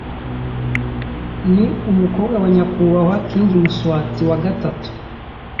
ni umukobwa wa nyakubahwa King Muswati lll